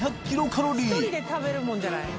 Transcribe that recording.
１人で食べるものじゃない。